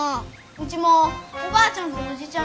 うちもおばあちゃんとおじちゃん